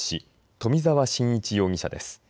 冨澤伸一容疑者です。